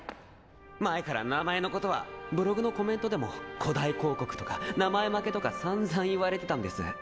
前から名前のことはブログのコメントでも誇大広告とか名前負けとかさんざん言われてたんです。